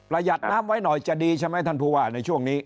หยัดน้ำไว้หน่อยจะดีใช่ไหมท่านผู้ว่าในช่วงนี้